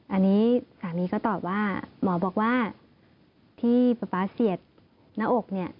อันนี้สามีก็ตอบว่าหมอบอกว่าที่ป๊าป๊าเสียดหน้าอกเนี่ย